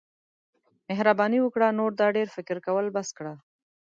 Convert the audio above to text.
مهرباني وکړه نور دا ډیر فکر کول بس کړه.